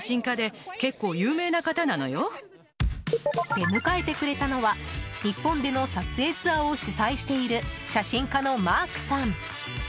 出迎えてくれたのは、日本での撮影ツアーを主催している写真家のマークさん。